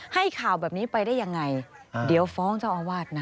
ให้ข่าวแบบนี้ไปได้ยังไงเดี๋ยวฟ้องเจ้าอาวาสนะ